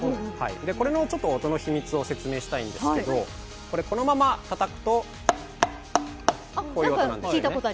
これの音の秘密を説明したいんですけどこれ、このままたたくとこういう音なんですね。